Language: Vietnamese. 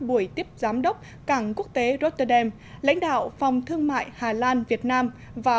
buổi tiếp giám đốc cảng quốc tế rotterdem lãnh đạo phòng thương mại hà lan việt nam và